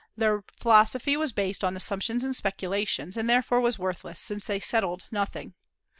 Their philosophy was based on assumptions and speculations, and therefore was worthless, since they settled nothing.